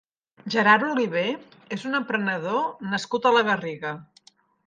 Gerard Olivé és un emprenedor nascut a la Garriga.